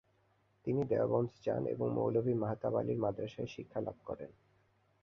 তিনি দেওবন্দ যান এবং মৌলভি মাহতাব আলির মাদরাসায় শিক্ষালাভ করেন।